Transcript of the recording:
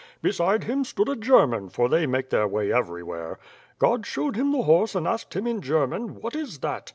Beside him stood a German, for they make their way everywhere. God showed him the horse and asked him in German, ^What is that?'